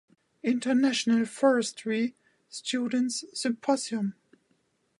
International Forestry Students' Symposium.